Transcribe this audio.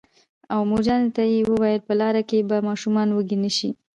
او مورجانې ته یې وویل: په لاره کې به ماشومان وږي نه شي